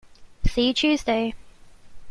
See you Tuesday!